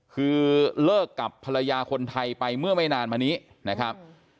คือเลิกกับภรรยาคนไทยไปเมื่อไม่นานมานี้นะครับ